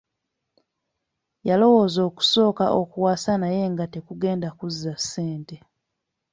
Yalowooza okusooka okuwasa naye nga tekugenda kuzza ssente.